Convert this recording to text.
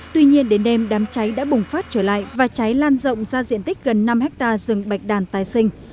tuy nhiên đến đêm đám cháy đã bùng phát trở lại và cháy lan rộng ra diện tích gần năm hectare rừng bạch đàn tài sinh